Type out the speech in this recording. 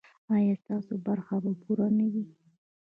ایا ستاسو برخه به پوره نه وي؟